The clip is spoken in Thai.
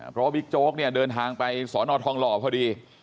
เพราะว่าบิ๊กโจ๊กเนี่ยเดินทางไปสอนอทองหล่อพอดี